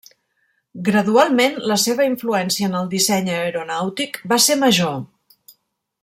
Gradualment, la seva influència en el disseny aeronàutic va ser major.